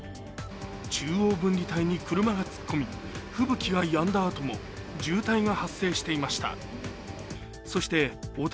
中央分離帯に車が突っ込み、吹雪がやんだ後も渋滞が発生していました。